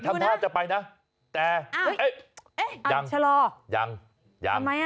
เอ๊ะเอ๊ะชะลอทำไมลงมาใหม่ยังยัง